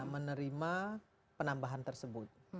menerima penambahan tersebut